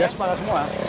iya sepakat semua